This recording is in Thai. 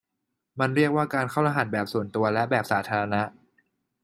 มันเรียกว่าการเข้ารหัสแบบส่วนตัวและแบบสาธารณะ